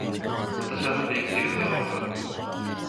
私はなぜ生きているのだろうか。